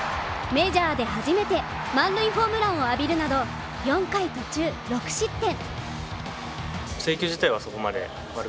メジャーで初めて満塁ホームランを浴びるなど４回途中６失点。